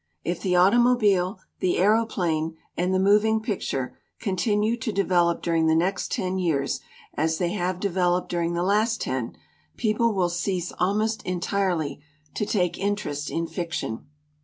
If the automobile, the 1 aeroplane, and the moving picture continue to develop during the next ten years as they have developed during the last ten, people will cease almost entirely to take interest in fiction.